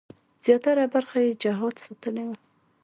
زیاتره برخه یې جهاد ساتلې وه.